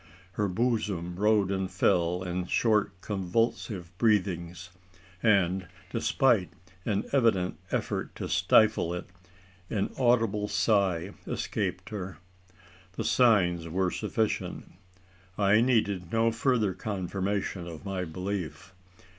Her bosom rose and fell in short convulsive breathings; and, despite an evident effort to stifle it, an audible sigh escaped her. The signs were sufficient. I needed no further confirmation of my belief.